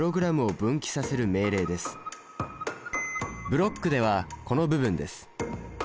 ブロックではこの部分です。